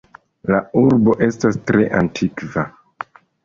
La urbo estas tre antikva.